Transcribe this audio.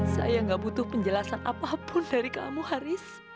saya gak butuh penjelasan apapun dari kamu haris